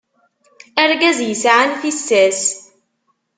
Argaz yesɛan tissas.